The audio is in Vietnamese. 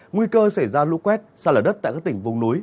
nguy cơ xảy ra lũ quét xa lở đất tại các tỉnh vùng núi